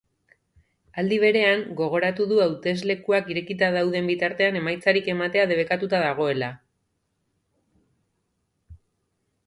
Aldi berean, gogoratu du hauteslekuak irekita dauden bitartean emaitzarik ematea debekatuta dagoela.